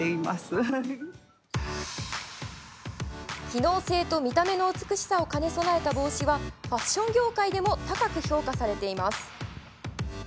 機能性と見た目の美しさを兼ね備えた帽子はファッション業界でも高く評価されています。